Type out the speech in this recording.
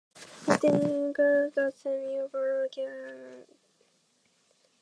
Writing in "Uncut" that same year, Carol Clerk called it "a weirdly atmospheric triumph".